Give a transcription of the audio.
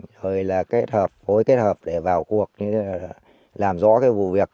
rồi là kết hợp hối kết hợp để vào cuộc làm rõ cái vụ việc